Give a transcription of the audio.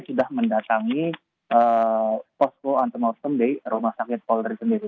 sudah mendatangi posko antemortem di rumah sakit polri sendiri